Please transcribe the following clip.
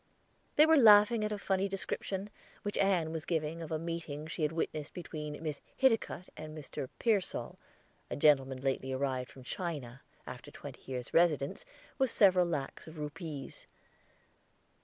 They were laughing at a funny description, which Ann was giving of a meeting she had witnessed between Miss Hiticutt and Mr. Pearsall, a gentleman lately arrived from China, after a twenty years' residence, with several lacs of rupees.